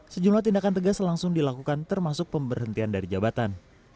sejumlah tindakan tegas langsung dilakukan termasuk pemberhentian dari jabatan